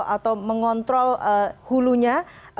atau mengontrol hulunya